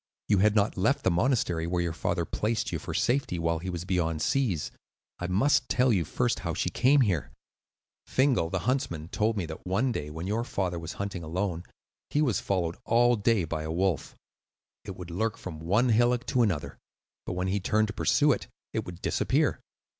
You had not left the monastery where your father placed you for safety while he was beyond seas. I must tell you first how she came here. "Fingal, the huntsman, told me that one day, when your father was hunting alone, he was followed all day by a wolf. It would lurk from one hillock to another, but when he turned to pursue it, it would disappear.